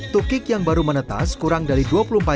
tukik yang baru menetas kurang dari dua puluh empat jam